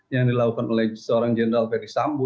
yang dilakukan oleh seorang jenderal ferry sambo